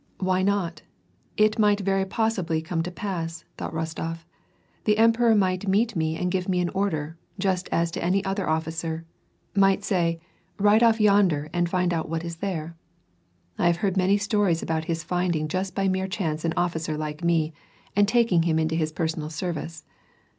82S " Why not ? It might very possibly come to pass," thought Rostof, ''the emperor might meet me and give me an order, just as to any other officer ; might say :' Ride ofP yonder and iind out what is there.' I have heard many stories about his finding just merely by chance an officer like me, and taking him into his personal service.